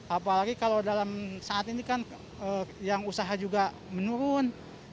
apalagi kalau dalam saat ini kan yang usaha juga menurun